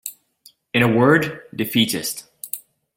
In a word, defeatist.